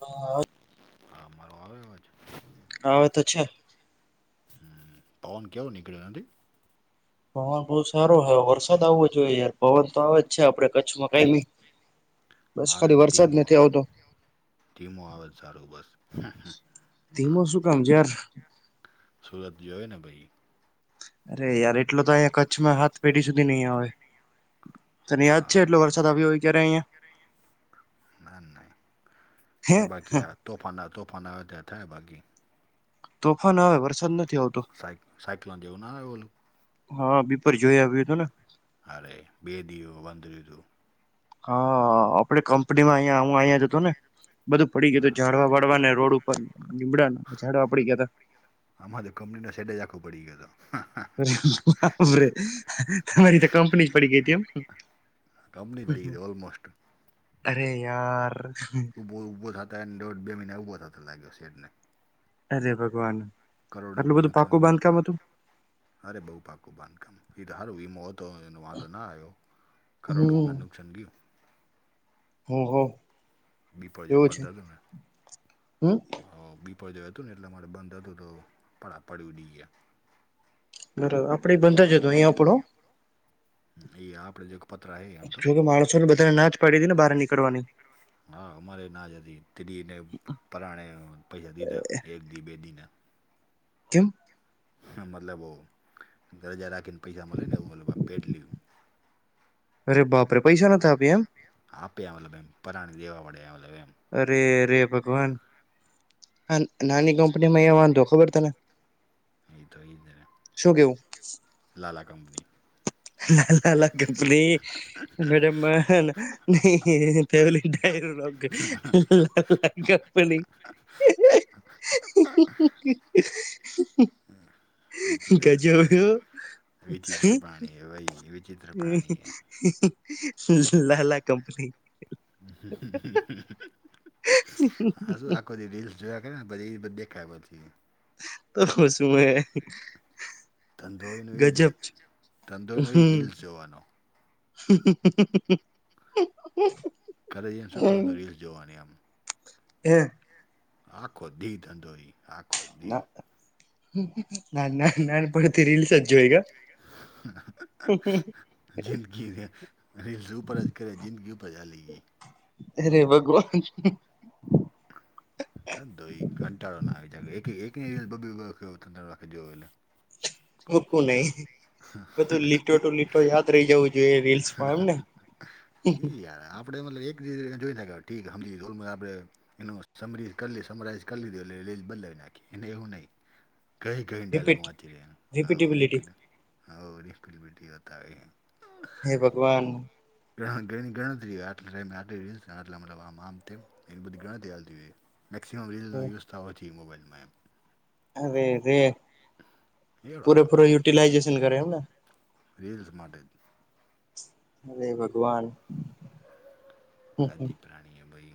હા હા હા મારો આવે આવજ. આવે તો છે. હ ફોન ક નીકળ્યો તંધ પવન બહુ સારો હ વરસાદ આવવો જોઈએ, યાર પવન તો આવે જ છે આપડે કચ્છમાં કઈ ની. આવે ધી મો ટીમો આવે સારું બસ સુરત જોય ને ભાઈ અરે યાર એટલો તો અહીંયા કચ્છમાં હાથ પેઢી સુધી નહી આવે હા ના યા બાકી તોફાન તોફાનતા બાકી તોફાન હ વરસાદ નથી આવતો. હા બીપર જોઈ આવ્યો હતો ને અરે બે દિવયો બંધ રહ્યુ તુ હા આપડે કંપનીમાં અ હું અહીયા જતો ને બધું પડી ગયું ઝાડવા વાળવા ને રોડ ઉપર લીડા ઝડવા પડી ગયા, ત આમા તો કંપની નો સેટેજ આખો પડી ગયો હતો. બબ તમારી તો કંપની જ પડી ગઈ હતી, એમ કપની પડી છે, આલ્મોસ્ટ અરે યાર ઉભો થતા દોઢ બે મહિના ઉભો થતા લાગ્યો સેટ ને અરે ભગવાન આટલું બધું પાકો બાંધકામ હતુ. અરે બહુ પાકું બાંધકામ એ તો હારુ, મોતો વાંધો ના આવ્યો કરોડ સન ગુ હો હો. બી પાજ બંધ તોમે હ બીપડજ હતું ને એટલે મારે બંધ હતું તો પડ્યું ઈ ગયા. બરાબર આપડે બંધા જ હતો અહી આપણો. જોકે માણસો ને બધાને ના જ પડી દ ને બહાર નીકળ હા અમારે ના જ હતી, તને પરાણે પૈસા દીધા. દબિના કેમ મતલબ ઓ દજ રાખને પૈસા મળને પેડ લી અરે બાપરે પૈસા ન આપે એમ આપ્યા મતલબ બેમ પરાણી દેવા પડ્યા મતલબ એમ અરે અરે ભગવાન હા નાની કંપનીમાં એ વાંધો ખબર તને એ તોઈને લલાા કંપની લાલા લ ગપલી મેડમ નહીલી ડાયરપની [unintelligible] કેજયો હમ્મ લલા કંપની હ શું આખો બધી રીલ્સ જોયા કર ીધ દેખાય પછી તો [unintelligible] ધંધો ઇ નો ઇ જ રહે, ધંધો એનો ઇ રિલ્સ જોવાનો. [unintelligible] કાલે જઈને શું [unintelligible] રીલ્સ જોવાની એમ હે? આખો દી ધંધો ઈ. ના, ના ના નાનપણ થી રિલ્સ જોઈ કાં? [unintelligible] જિંદગી ને રિલ્સ ઉપર જ કરે, જિંદગી ઉપર જ હાલી ગઈ. અરે ભગવાન! [unintelligible] કંટાળો ના આવી એટલે, એકે એક ની રીલ બબ્બે બબ્બે વખત ત્રણ ત્રણ વખત જોવે એટલે ઓકુ નહી. બધું લીટો ટુ લીટો યાદ રહી જવું જોઈએ રીલ્સમાં એમને? આપણે મતલબ એક રીલ જોઈ [unintelligible] ઠીક સમજી, ઇ રોલમાં આપણે એનું સમરી કર લી સમરાઈજ કરી લીધું એટલે એ લેસ બદલાવી નાખી એને એવું નહી. કઈ કઈ ન ડાયલોગ વાંચી લે હા હો રિપીટ [unintelligible] બતાવે. હે ભગવાન હા ગઈની ગણતરી આટલા ટાઇમે આટલી રીલ છે ને એટલે મતલ આમ આમ તેમ. એની બધી ગણતરી હાલતી હોય, મેક્સિમમ રીલનો યુઝ થવો જોઈએ મોબાઈલમાં. અરે રે પૂરે પૂરૂ યુટિલાઈઝેશન કરે એમ ને. રીલ્સ માટે અરે ભગવાન આ દીપરાની હે ભઈ.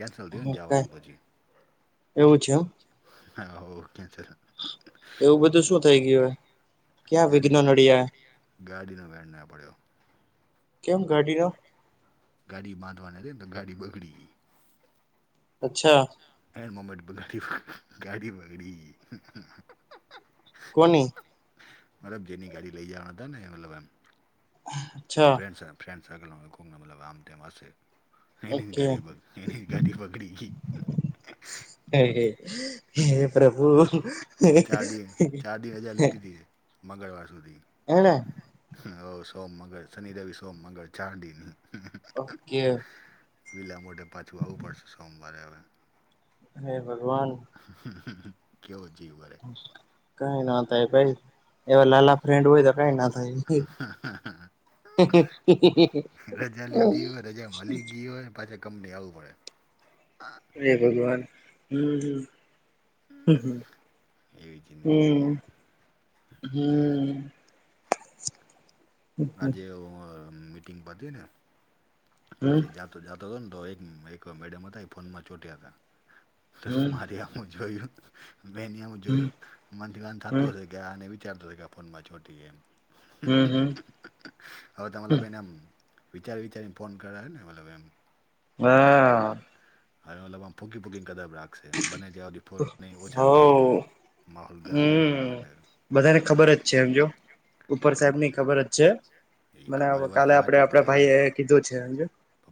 કેન્સલ રહ્યું ને જાવાનું પછી હઓ કેન્સલ. એવું બધું શું થઇ ગયું હે ક્યાં વિઘ્નો નડ્યા? ગાડીનો વેણ ના પડ્યો. કેમ ગાડીનો? ગાડી બાંધવાની રે ને તો ગાડી બગડી ગઈ. અચ્છા. એન્ડ મોમેન્ટ ગાડી ગાડી બગડી. કોની મતલબ જેની ગાડી લઈ જવાના હતા ને મતલબ એમ [unintelligible] ફ્રેડ સર્કલમાં [unintelligible] મતલબ આમતેેમ હશે એની જ ગાડી એની જ ગાડી બગડી ગઈ. હે હે હે પ્રભુ. ચાર દિ ચાર દિ રજા લીધી તી મંગળવાર સુધી. એણે હ ઓ સોમ મંગળ શનિ રવિ સોમ મંગળ ચાર દિન. વીલા મોઢે પાછું આવવું પડશે સોમવારે હવે. હે ભગવાન! કેવો જીવ બળે? કઈ ના થાય ભાઈ. એવા લાલા ફ્રેન્ડ હોય તો કઈ ના થાય. રજા લીધી હોય, રજા મળી ગઈ હોય પાછા કંપની આવવું પડે એ ભગવાન હં હં. હં હ હં હ. આજે અવ મીટિંગ પતિ ને પછી જાત તો જાતો તો ને તો એક એક મેડમ હતા એ ફોનમાં ચોટ્યા તે માર્યા. હું જોયું મેં એની હામુ જોયું મન થયું આન થતું હશે. ગયાને વિચારતો કે ફોનમાં છોટી ગ એમ હમ હમ હવે તો મતલબ એનેમ વિચારી વિચારીને ફોન કરે ને મતલબ એમ હા હા લબમુકી ભૂકી કદબ્રા બવા ફ ન ઓછા કરશે માહોલ ગરમેને એટલા માટે બધા ને ખબર જ છે, એમજ ઉપર સાહેબ ની ખબર જ છે મને કાલે આપડે આપડા ભાઈ એ કીધું છેજ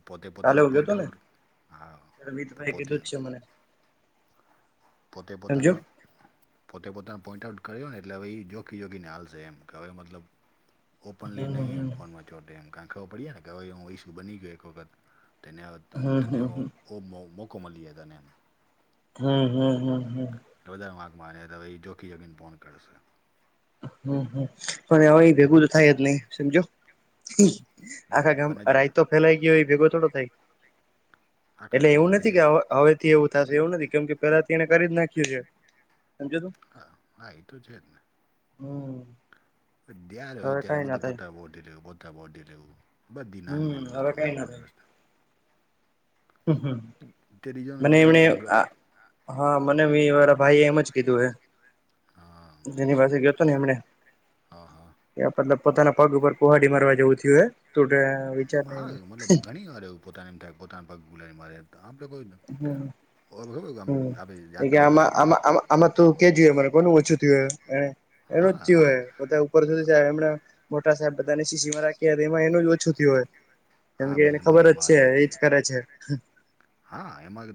પોતે પોતેના પોઈન્ટ આઉટ હા તો પોતે પોતે પોતાને પોતે પોતાને પોઈન્ટ આઉટ કર્યો ને એટલે હવે એ જોખી જોખીને હાલશે એમ કે હવે મતલબ ઓપનલી નહીં ફોનમાં ચોટે એમ કારણ કે ખબર પડી જ ને કે હવે હું ઇસ્યુ બની ગયો એક વખત તો એને ત તેને મોકો મળી દનેને હમ હમ હમ હમ વધારે મા આક મા ભ જોખીગીને ફોન કરશે. હમ હમ પણ હવે ભેગું તો થાય જ નહી સમજો આખા ગામ રાાયતો ફેલાય ગયો હોય ભેગો થોડો થાય. એટલે એવું નથી કે હવેથી એવું એવું નથી કેમ કે પેલાથી એને કરી જ નાખ્યું છે. સમજું. હા હા એ તો છે જ ને હમ જાર ત્યારે બધું પોતાની લેવું રહ પોતી રહું બધી નાની નાની વસ્તુ નાંદ નાની વસ્તુ હમ હમ મને એમણે આ હા મને મે મારા ભાઈ એ એમ જ કીધું હે. જેની પાસે ગયો હતો ને એમને કે મતલબ પોતાના પગ ઉપર કુહાડી મારવા જવું થય હોય. ત વિચાર એ પોતાની એમ થાય પોતાના પગ ગુલા મારે તો આપણે કોઈ અ જાતા હો બે આમાં તું કે જોય મારે કોનું ઓછું થયું હો એને એનું જ થય. હો બધા ઉપર સુધી થ એમ મોટા સાહેબ બધાને સીશી માં રાખી એમાં એનું જ ઓછું થય હોય. કેમ કે એને ખબર જ છે એજ કરે છે. હા એમાં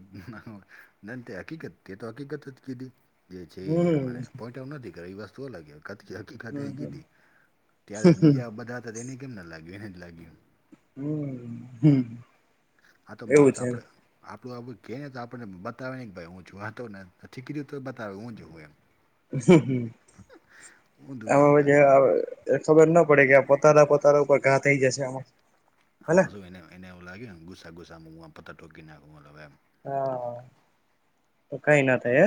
નક્કી હકીકત તે તો હકીકત જ કીધી. જે છે એ પોઈન્ટઉ નથી કર એ વસ્તુ અલગ થઈ કીધી ત્યારે બીજા બધા હતા તે એને કેમ ના લાગ્યું એને જ લાગ્યું. હમ હમ આ તો માણસ આપણે આપડું આ કે ને તો આપણને બતાવે કે ભાઈ હું જો હતો નેીકું તો બતાવે હું જું એમ [inaudible] એમાં જે એ ખબર ના પડે કે આ પોતાર પોતાર ઉપર ઘા થઈ જશે આમાં આમાં શુંને એને એવું લાગે ગુસ્સા ગુસ્સામાં પત્તર ટોકી નાખમ હા તો કઈ ન થ હે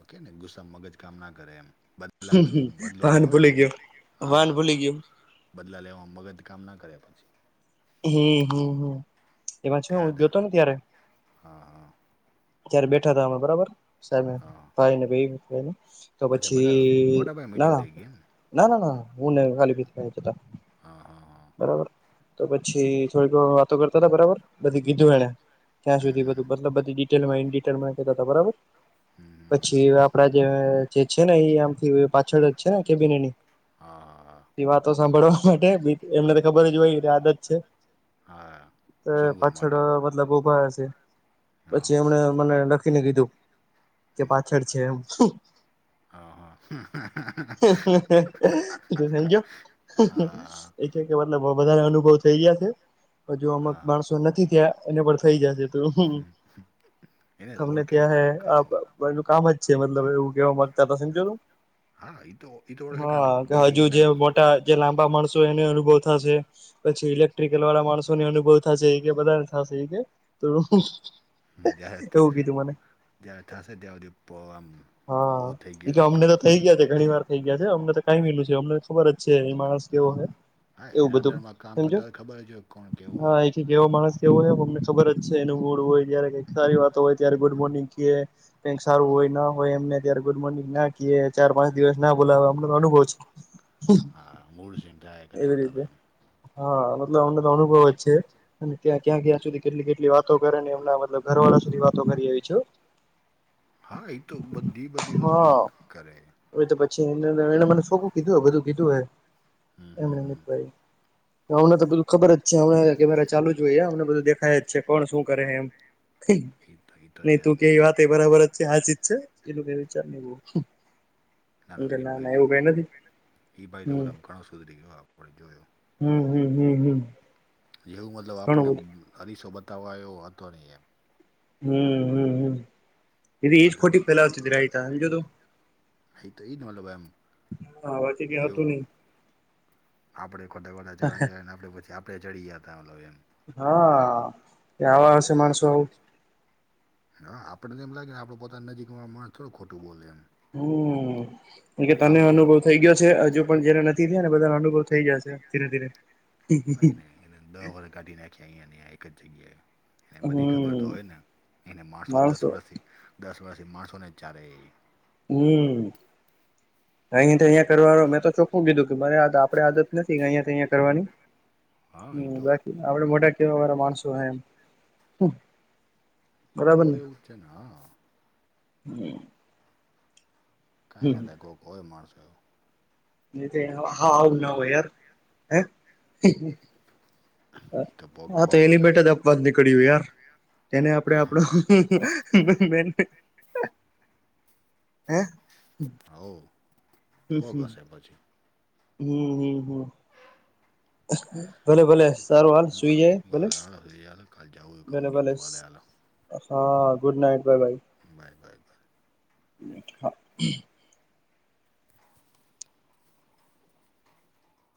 ઓકેને ગુસ્સ મગજ કામ ના કરે એમ બ પલામાં શું બંધો લેવા મગજ હા બદલા લેવામાં મગજ કામ ના કરે પછી. હમ હમ હમ એમાં છ હું જોતો ને ત્યારે ત્યારે બેઠા હતા અમે બરાબર સાહે ભાઈ ને ભાઈ તો પછી ના ના ના ના ના હુંને ખાલી પી હા હા અ તો પછી થોડીક વાતો કરતા હતા બરાબર બધી કીધું એને ક્યાં સુધી બધું મતલબ બધી ડીટેલમાં એ ડીટેલમાં કતા બરાબર પછી આપડા જે છે ને એ આમથી પાછળ જ છે ને કેબિન એની હા તો સાંભળવા માટે એમને તો ખબર જ હોય આદત છે તે પાછળ મલ ઉભા છે પછી એમણે મને લખીને કીધું જે પાછળ છે એમ ત સમજો એ છે કે મતલબ વધારે અનુભવ થઈ ગયા છે હજુ આમક માણસો નથી થયા એને પર થઈ જશે હમ્મ હમ્મ તમને ત્યાં હેનું કામ જ છે મતલબ એવું કેવા માગતા ત સમજયો તુ હા કે હજુ જે મોટા જે લાંબા માણસો એનો અનુભવ થશે પછી ઇલેક્ટ્રિકલ વાળા માણસોને અનુભવ થશે કે બધાને થશે કે હ જ્યારે જ્યારે થશે ત્યા થાશે પોમ હા એ કે અમને તો થઈ ગયા છે ઘણી વાર થઈ ગયા છે અમને તો કઈની લિધું અમને ખબર જ છે માણસિયો ને કેવો હોય એવું બધું સમજો હા કેવો માણસ કેવો હોય અમને ખબર જ છે એનું મૂળ હોય જય્યારે કઈક સારી વાતો હોય ત્યારે ગુડ મોર્નિંગ ક કઈ સારું હોય ના હોય એમને અ્યારે ગુડ મોર્નિંગ ના કે ચાર પાંચ દિવસ ના બોલાવ અમનો અનુભવ છે હા મૂળસ્વિંગ થયા કરે આમ હા મતલબ અમને તો અનુભવ જ છે અને ત્યાં ક્યાં ક્યાં સુઘી કેટલી કેટલી વાતો કરે ને એમના મતલબ ઘર વાળા સુધી વાતો કરી આવીવી છું હા એ તો બધી બધી વસ્તુ કરે એવે તો પછી એ મને ફોકું કીધું બધું કીધું એમ ભના તો બિલકુલ ખબર જ છે હવે કેમેરા ચાલુ જ હોઈએ અમને બધું દેખાય જ છે કોણ શું કરે એમ નહી તું કેવી વાત એ બરાબર જ છે હાચીજ છે એ વિચાર [unintelligible] ના ના મીટ ભાઈ તો એ ભાઈ તો મતલબ ઘણો સુધરી ગયો આપણે જોયુ હમ્મ હમ્મ હમ્મ હમ્મ જેવું મતલબ આપણને અરીસો બતાવાયો હતો નહીં એમ હમ્મ હમ્મ હમ્મ એજ ખોટી ફેલાવતી હતી સમજો તું ઈતો એ મતલબ એવું આપડે ખોટા ખોટા ચણા ના આપ પછી આપડે ચડી ગયા હતા એમ હા એવા હશે માણસો આવું હા આપડેને એમ લાગે ને આપડો પોતાના નજીકમાં માણસ થોડું ખોટું બોલે એમ હમ્મ એ કે તને અનુભવ થઈ ગયો છે હજુ પણ જયારે નથી થયા ને બધાનો અનુભવ થઈ જશે ધીરે ધીરે કાંઈ ન એને દહ વર કાઢી નાખ્યા અહીયા એક જ જગ્યાએ અને બધી ખબર તો હોય ને એ માણસો દસ વર્સે દસ વર્ષથી માણસોને ચારે હમ્મ અહી તો અહિયાયા કરવાનું મેં તો ચોખવું કીધું કે મારે આ આપડે આદત નથી અહિયાયા તો અહયા કરવાની હમ્મ બાકી આપડે મોટા કેવા વાળ માણસું હ એમ તોય એવું છે ના? હમ્મ કાંઈ ના કો કોઈ માણસો એવું હા આવું ન હોય યાર હે? હા તો એની બેટ જ બંધ નીકળ્યું યાર જેને આપડે આપડો હે હ ન બો ઘસે પછી હમ હમ હમ ભલે ભલે સારું હાલ સુઈ જાય ભલે ભલે ભલે હા good night [inaudible] bye bye by [unintelligible]